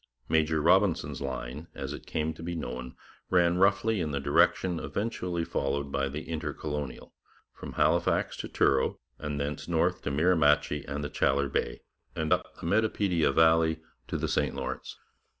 'Major Robinson's Line,' as it came to be known, ran roughly in the direction eventually followed by the Intercolonial from Halifax to Truro, and thence north to Miramichi and the Chaleur Bay, and up the Metapedia valley to the St Lawrence.